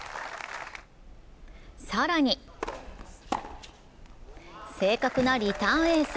更に正確なリターンエース。